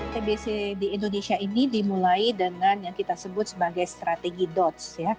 tbc di indonesia ini dimulai dengan yang kita sebut sebagai strategi dots